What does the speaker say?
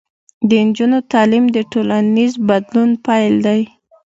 د نجونو تعلیم د ټولنیز بدلون پیل دی.